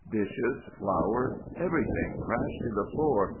Dishes, flour—everything crashed to the floor.